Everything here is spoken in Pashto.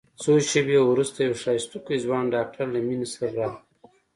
څو شېبې وروسته يو ښايستوکى ځوان ډاکتر له مينې سره راغى.